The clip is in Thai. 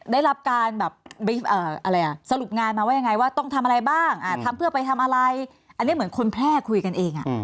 ได้รับการแบบสรุปงานมาว่ายังไงว่าต้องทำอะไรบ้างทำเพื่อไปทำอะไรอันนี้เหมือนคนแพร่คุยกันเอง